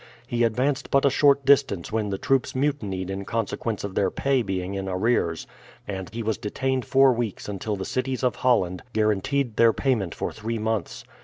He advanced but a short distance when the troops mutinied in consequence of their pay being in arrears, and he was detained four weeks until the cities of Holland guaranteed their payment for three months.